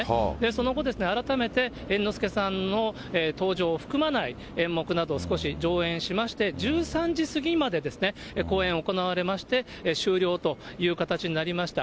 その後、改めて猿之助さんの登場を含まない演目などを少し上演しまして、１３時過ぎまで公演行われまして、終了という形になりました。